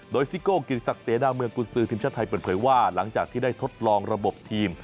โดยซิโก้กิติศักดิ์เสนาเมืองกุญสือทีมชาติไทยเปิดเผยว่าหลังจากที่ได้ทดลองระบบทีม